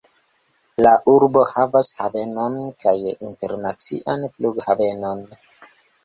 La urbo havas havenon kaj internacian flughavenon.